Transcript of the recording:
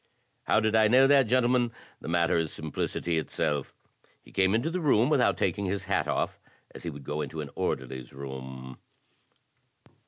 "How did I know that, gentlemen? The matter is simplicity itself. He came into the room without taking his hat off, as he would go into an orderly's room.